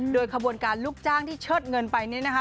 โดยขบวนการลูกจ้างที่เชิดเงินไปนี่นะคะ